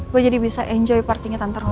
gue jadi bisa enjoy partinya tanpa rambut